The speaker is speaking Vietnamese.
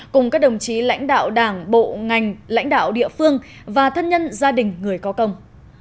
cùng các đồng chí lãnh đạo đảng bộ ngành lãnh đạo địa phương và thân nhân gia đình người có công